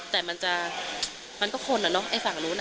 แต่มันจะมันก็คนอ่ะเนอะไอ้ฝั่งนู้น